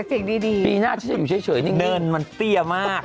สิ่งดีปีหน้าฉันจะอยู่เฉยนี่เงินมันเตี้ยมาก